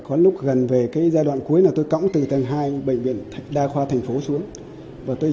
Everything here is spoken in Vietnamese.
ông cũng là người thông tin cho em họ ông tòa